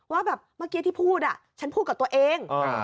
ว่าแบบเมื่อกี้ที่พูดฉันพูดกับตัวเอง